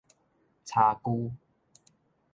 柴龜